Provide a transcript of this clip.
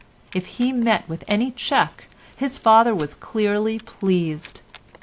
If he met with any check his father was clearly pleased.